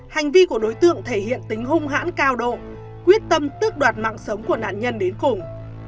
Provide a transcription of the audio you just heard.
hành vi của đối tượng thể hiện tính hung hãn cao độ quyết tâm tước đoạt mạng sống của nạn nhân đến cùng